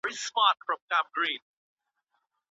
انتباه د معلوماتو په راټولولو کي مهم رول لري.